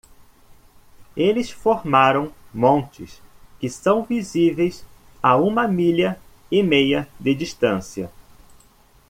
Eles formaram montes que são visíveis a uma milha e meia de distância.